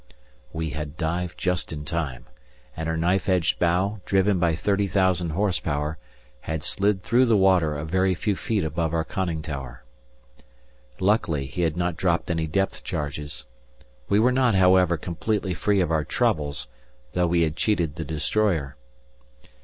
We had dived just in time, and her knife edged bow, driven by 30,000 horse power, had slid through the water a very few feet above our conning tower. Luckily he had not dropped any depth charges. We were not, however, completely free of our troubles, though we had cheated the destroyer.